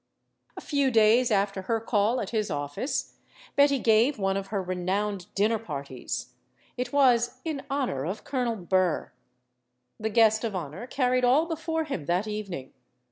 A few days after her call at his office, Betty gave one of her renowned dinner parties. It was "in honor of Colonel Burr." The guest of honor carried all be fore him that evening.